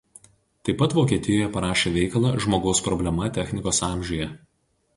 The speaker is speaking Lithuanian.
Taip pat Vokietijoje parašė veikalą „Žmogaus problema technikos amžiuje“.